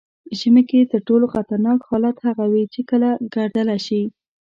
ژمي کې تر ټولو خطرناک حالت هغه وي چې کله ګردله شي.